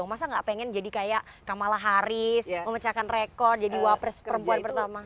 masa gak pengen jadi kayak kamala harris memecahkan rekor jadi wapres perempuan pertama